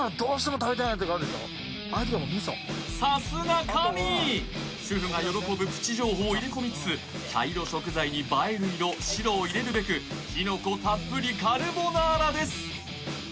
さすが神主婦が喜ぶプチ情報を入れ込みつつ茶色食材に映える色白を入れるべくキノコたっぷりカルボナーラです